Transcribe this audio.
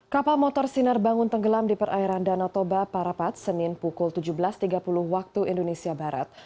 kapal motor sinar bangun tenggelam di perairan danau toba parapat senin pukul tujuh belas tiga puluh waktu indonesia barat